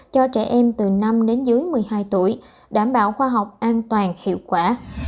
cho trẻ em từ năm đến dưới một mươi hai tuổi đảm bảo khoa học an toàn hiệu quả